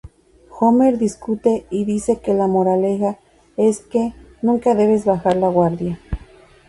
Homer discute y dice que la moraleja es que "nunca debes bajar la guardia".